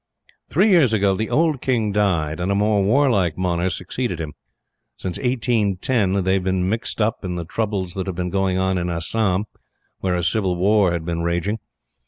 "Three years ago the old king died, and a more warlike monarch succeeded him. Since 1810 they have been mixed up in the troubles that have been going on in Assam, where a civil war had been raging.